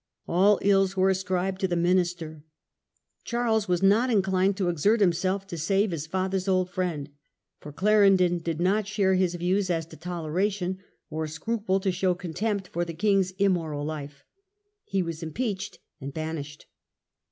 All ills were ascribed to the minister. Charles was not inclined to exert himself to save his father's old friend, for Clarendon did not share his views as to Toleration, or scruple to show contempt for the king's immoral life. He was impeached and banished.